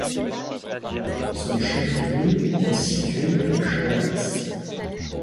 Son chef-lieu est situé à Shoals.